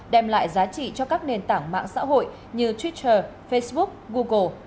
đem lại giá trị cho các nền tảng mạng xã hội như twitter facebook google